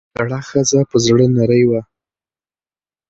زړه ښځه پۀ زړۀ نرۍ وه ـ